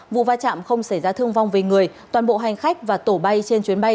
vụ va chạm không xảy ra thương vong về người toàn bộ hành khách và tổ bay trên chuyến bay